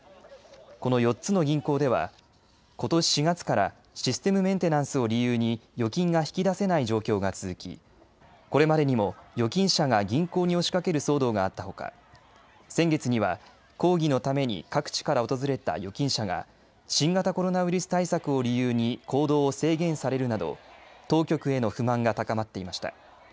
この４つの銀行ではことし４月からシステムメンテナンスを理由に預金が引き出せない状況が続き、これまでにも預金者が銀行に押しかける騒動があったほか先月には抗議のために各地から訪れた預金者が新型コロナウイルス対策を理由に行動を制限されるなど当局への不満が高まっていました。